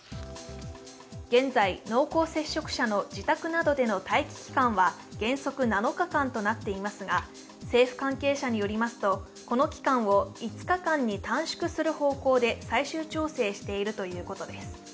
現在、濃厚接触者の自宅などでの待機期間は原則７日間となっていますが、政府関係者によりますとこの期間を５日間に短縮する方向で最終調整しているということです。